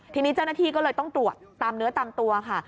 ทีนี้เจ้าหน้าที่ก็เลยต้องตรวจตามเนื้อตามตัวค่ะ